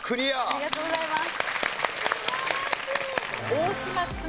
ありがとうございます。